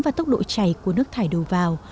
và tốc độ chảy của nước thải đồ vào